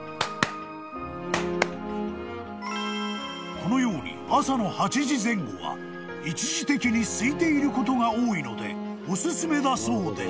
［このように朝の８時前後は一時的にすいていることが多いのでおすすめだそうです］